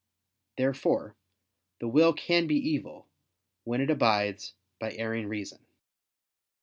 Therefore the will can be evil, when it abides by erring reason.